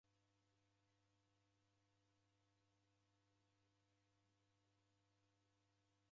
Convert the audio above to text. Ijo itunda jeka aina zima.